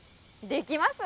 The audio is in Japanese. できます。